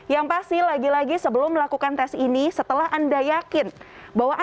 yang pasti lagi lagi sebelum melakukan tes ini setelah anda yakin bahwa